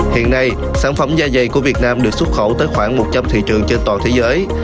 hiện nay sản phẩm da dày của việt nam được xuất khẩu tới khoảng một trăm linh thị trường trên toàn thế giới